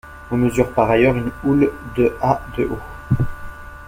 On mesure par ailleurs une houle de à de haut.